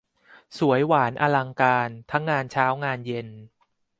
สวยหวานอลังการ ทั้งงานเช้างานเย็น